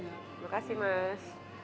terima kasih mas